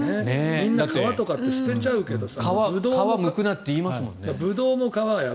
みんな皮とか捨てちゃうけどさ。